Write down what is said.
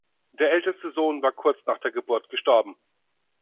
Der älteste Sohn war kurz nach der Geburt gestorben.